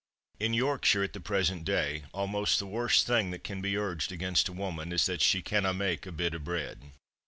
In Yorkshire, at the present day, almost the worst thing that can be urged against a woman is that she "canna mak' a bit o' bread."